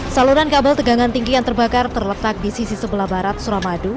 saluran kabel tegangan tinggi yang terbakar terletak di sisi sebelah barat suramadu